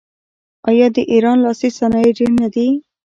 آیا د ایران لاسي صنایع ډیر نه دي؟